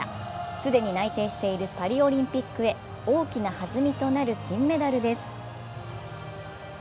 既に内定しているパリオリンピックへ大きな弾みとなる金メダルです。